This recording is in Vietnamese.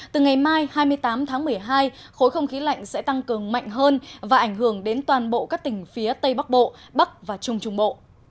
từ ngày mai hai mươi tám tháng một mươi hai khối không khí lạnh sẽ tăng cường mạnh hơn và ảnh hưởng đến toàn bộ các tỉnh phía tây bắc bộ bắc và trung trung bộ